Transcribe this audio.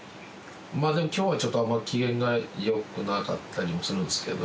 でも今日はちょっと機嫌がよくなかったりもするんですけど。